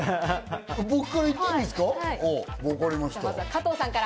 僕からいっていいですか？